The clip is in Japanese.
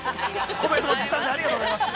コメントも時短でありがとうございます。